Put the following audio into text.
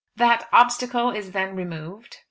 "That obstacle is then removed?"